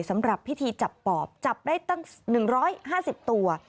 สำหรับพิธีจับปอบจับได้ตั้ง๑๕๐ตัว